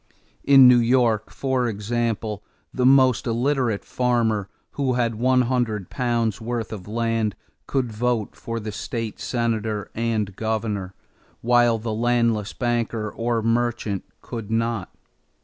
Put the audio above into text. In New York, for example, the most illiterate farmer who had one hundred pounds' worth of land could vote for state senator and governor, while the landless banker or merchant could not.